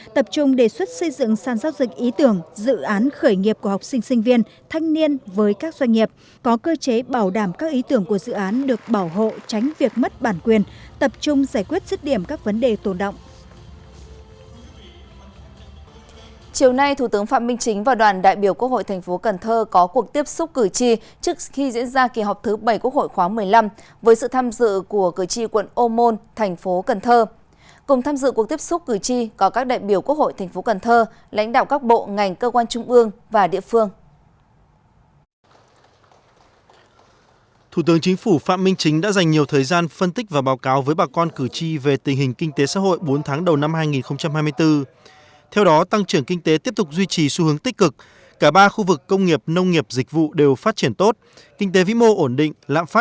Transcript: tập trung đề xuất xây dựng sàn giáo dịch ý tưởng dự án khởi nghiệp của học sinh sinh viên thanh niên với các doanh nghiệp